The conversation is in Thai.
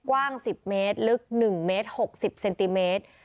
กว้าง๑๐เมตรลึก๑เมตร๖๐เซนติเมตร